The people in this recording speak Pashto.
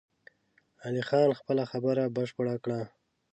علي خان خپله خبره بشپړه کړه!